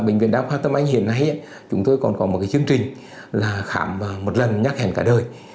ở bệnh viện đa khoa tâm anh hiện nay chúng tôi còn có một cái chương trình là khám một lần nhắc hẹn cả đời